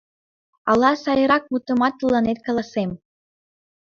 Ала сайрак мутымат тыланет каласем...